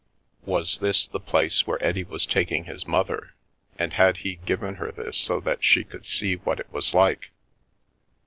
Was this the place where Eddie was taking his mother, and had he given her this so that she could see what' it was like?